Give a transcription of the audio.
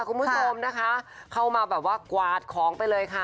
คุณผู้ชมนะคะเข้ามาแบบว่ากวาดของไปเลยค่ะ